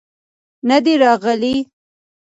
نه دى راغلى.